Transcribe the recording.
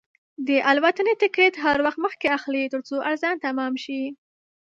د الوتنې ټکټ هر وخت مخکې اخلئ، ترڅو ارزان تمام شي.